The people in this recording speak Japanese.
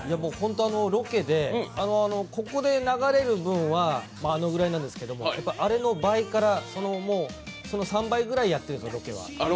ロケでここで流れる分はあのぐらいなんですけど、あれの倍から、その３倍くらいやってるんです、ロケは。